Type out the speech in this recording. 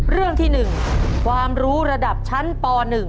เรื่องที่๑ความรู้ระดับชั้นป๑